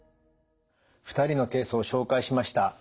２人のケースを紹介しました。